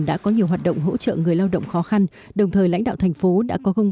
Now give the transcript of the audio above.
đã có nhiều hoạt động hỗ trợ người lao động khó khăn đồng thời lãnh đạo thành phố đã có công